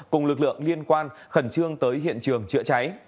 cùng lực lượng liên quan khẩn trương tới hiện trường chữa cháy